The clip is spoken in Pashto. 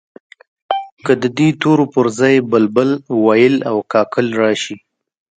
که د دې تورو پر ځای بلبل، وېل او کاکل راشي.